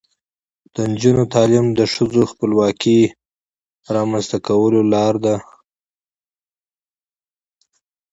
د نجونو تعلیم د ښځو خپلواکۍ رامنځته کولو لاره ده.